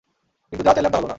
কিন্তু যা চাইলাম তা হল না।